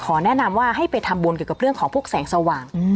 แนะนำว่าให้ไปทำบุญเกี่ยวกับเรื่องของพวกแสงสว่าง